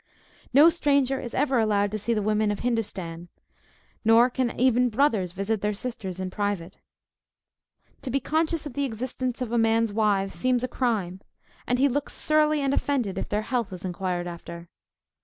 No stranger is ever allowed to see the women of Hindostan, nor can even brothers visit their sisters in private. To be conscious of the existence of a man's wives seems a crime; and he looks surly and offended if their health is inquired after.